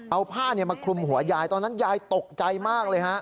เอาผ้ามาคลุมหัวยายตอนนั้นยายตกใจมากเลยฮะ